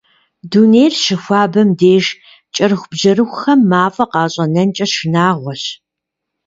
Дунейр щыхуабэм деж кӏэрыхубжьэрыхухэм мафӏэ къащӏэнэнкӏэ шынагъуэщ.